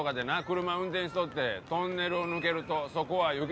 車運転しとってトンネルを抜けるとそこは雪国だった。